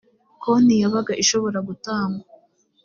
konti yabaga ishobora gutangwa